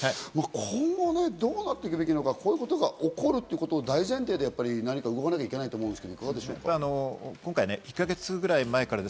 今後どうなっていくべきなのか、こういうことが起こるということを大前提にして動かなきゃいけないと思うんですが。